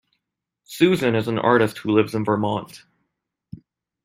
Susan is an artist who lives in Vermont.